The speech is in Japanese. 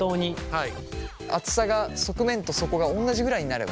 はい。